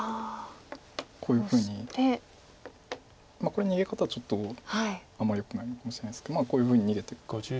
これ逃げ方ちょっとあんまりよくないのかもしれないですけどこういうふうに逃げていくか。